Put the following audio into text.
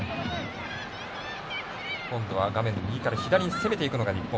今度は画面左から右に攻めていくのが日本。